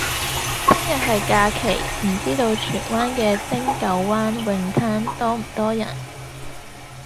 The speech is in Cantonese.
聽日係假期，唔知道荃灣嘅汀九灣泳灘多唔多人？